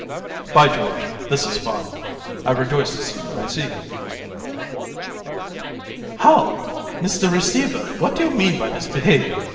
By George! This is fine, and I rejoice to see what I see. COUN. How! Mr. Receiver, what do you mean by this behaviour?